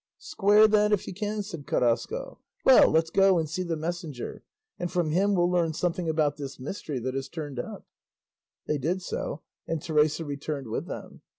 "Square that if you can," said Carrasco; "well, let's go and see the messenger, and from him we'll learn something about this mystery that has turned up." They did so, and Teresa returned with them.